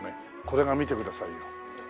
これを見てくださいよ。